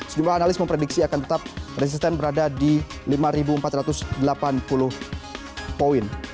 sejumlah analis memprediksi akan tetap resisten berada di lima empat ratus delapan puluh poin